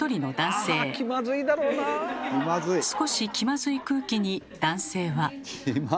少し気まずい空気に男性は。